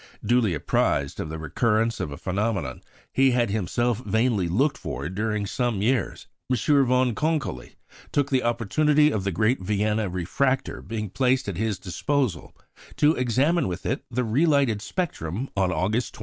Duly apprised of the recurrence of a phenomenon he had himself vainly looked for during some years, M. von Konkoly took the opportunity of the great Vienna refractor being placed at his disposal to examine with it the relighted spectrum on August 27.